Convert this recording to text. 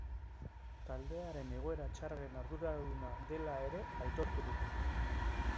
Taldearen egoera txarraren arduraduna dela ere, aitortu du.